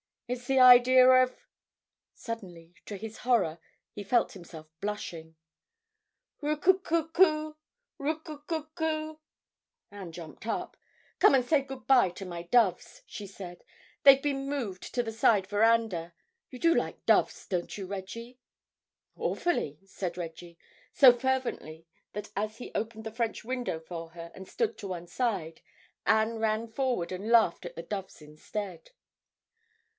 It's the idea of—" Suddenly, to his horror, he felt himself blushing. "Roo coo coo coo! Roo coo coo coo!" Anne jumped up. "Come and say good bye to my doves," she said. "They've been moved to the side veranda. You do like doves, don't you, Reggie?" "Awfully," said Reggie, so fervently that as he opened the French window for her and stood to one side, Anne ran forward and laughed at the doves instead.